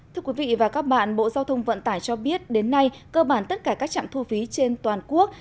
thưa quý vị và các bạn bộ giao thông vận tải cho biết đến nay cơ bản tất cả các trạm thu phí trên toàn quốc